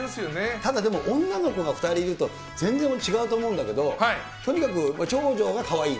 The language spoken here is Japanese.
ただでも女の子が２人いると全然違うと思うんだけど、とにかく長女がかわいいの？